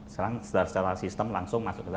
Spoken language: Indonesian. sekarang secara sistem langsung masuk ke dalam